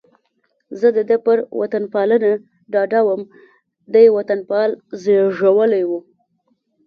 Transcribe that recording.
زه د ده پر وطنپالنه ډاډه وم، دی وطنپال زېږېدلی و.